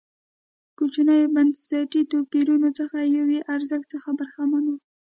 کوچنیو بنسټي توپیرونو څخه یو یې ارزښت څخه برخمن و.